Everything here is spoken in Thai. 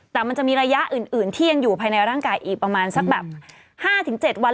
แต่มันจะมีระยะอื่นที่ยังอยู่ภายในร่างกายอีกประมาณสักแบบ๕๗วัน